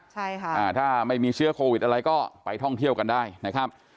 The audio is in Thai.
ใช่ค่ะอ่าถ้าไม่มีเชื้อโควิดอะไรก็ไปท่องเที่ยวกันได้นะครับ